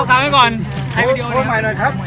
ขอช่วยคุณพี่อีกท่านหนึ่งครับ